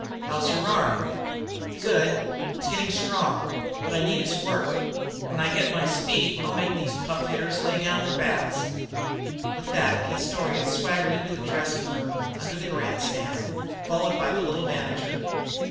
"How's your arm?" "Good. It's getting strong. What I need is work. When I get my speed I'll make these puff hitters lay down their bats." With that Castorious swaggered into the dressing room under the grandstand, followed by the little manager.